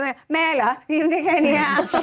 แม่เหรอยิ้มได้แค่นี้